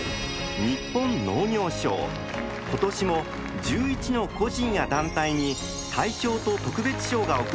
今年も１１の個人や団体に大賞と特別賞が贈られました。